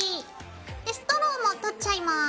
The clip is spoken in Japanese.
ストローも取っちゃいます。